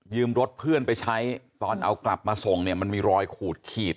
รถเพื่อนไปใช้ตอนเอากลับมาส่งเนี่ยมันมีรอยขูดขีด